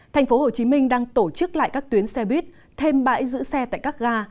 tp hcm đang tổ chức lại các tuyến xe buýt thêm bãi giữ xe tại các ga